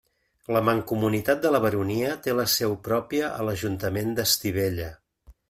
La Mancomunitat de la Baronia té la seu pròpia a l'Ajuntament d'Estivella.